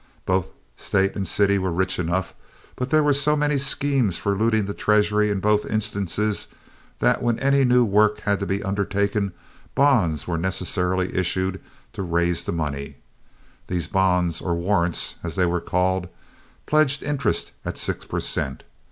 Both State and city were rich enough; but there were so many schemes for looting the treasury in both instances that when any new work had to be undertaken bonds were necessarily issued to raise the money. These bonds, or warrants, as they were called, pledged interest at six per cent.